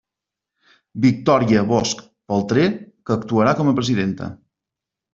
Victòria Bosch Paltré, que actuarà com a presidenta.